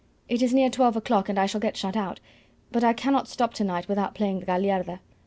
It is near twelve o'clock and I shall get shut out, but I cannot stop to night without playing the Gagliarda.